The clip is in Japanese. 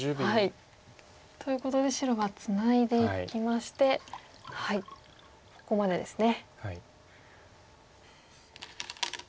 ということで白はツナいでいきましてここまでですね。